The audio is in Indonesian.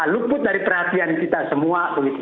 luput dari perhatian kita semua